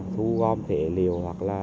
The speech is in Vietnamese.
thu gom thể liệu